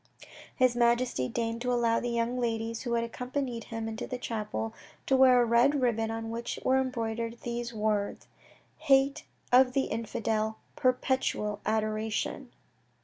His Majesty deigned to allow the young ladies who had accompanied him into the chapel to wear a red ribbon on which were embroidered these words, "HATE OF THE INFIDEL. PERPETUAL ADORATION."